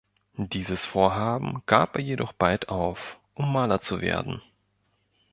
Dieses Vorhaben gab er jedoch bald auf, um Maler zu werden.